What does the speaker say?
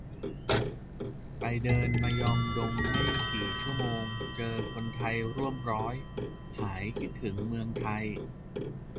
ไปเดินมยองดงไม่กี่ชั่วโมง เจอคนไทยร่วมร้อย หายคิดถึงเมืองไทย